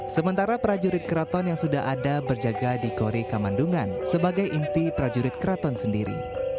sementara prajurit keraton yang sudah ada berjaga di kori kamandungan sebagai inti prajurit keraton sendiri